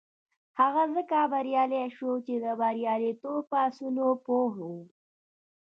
هغه ځکه بريالی شو چې د برياليتوب پر اصولو پوه و.